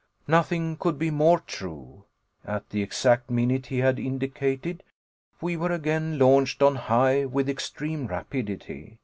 Nothing could be more true. At the exact minute he had indicated, we were again launched on high with extreme rapidity.